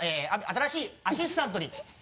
新しいアシスタントに。